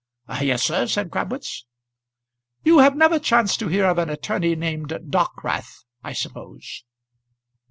"Yes, sir," said Crabwitz. "You have never chanced to hear of an attorney named Dockwrath, I suppose?"